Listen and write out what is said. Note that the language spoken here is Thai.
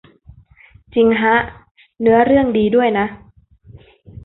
จริงฮะ เนื้อเรื่องดีด้วยนะ